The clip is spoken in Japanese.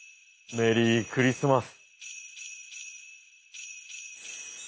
メリークリスマス。